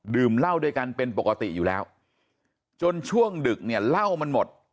เหล้าด้วยกันเป็นปกติอยู่แล้วจนช่วงดึกเนี่ยเหล้ามันหมด